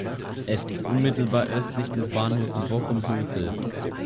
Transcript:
Es liegt unmittelbar östlich des Bahnhofs Bockum-Hövel.